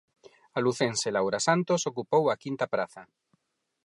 A lucense Laura Santos ocupou a quinta praza.